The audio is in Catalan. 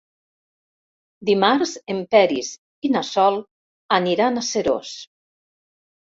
Dimarts en Peris i na Sol aniran a Seròs.